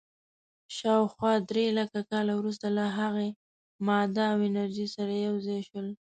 شاوخوا درېلکه کاله وروسته له هغې، ماده او انرژي سره یو ځای شول.